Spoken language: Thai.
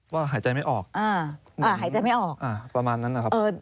ว่าหายใจไม่ออกประมาณนั้นนะครับ